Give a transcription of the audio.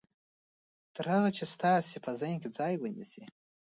تر هغه چې ستاسې په ذهن کې ځای ونيسي.